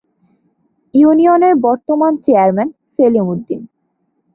ইউনিয়নের বর্তমান চেয়ারম্যান সেলিম উদ্দীন।